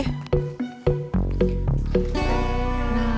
sopi mau dikangguin lagi